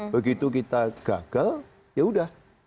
begitu kita gagal ya udah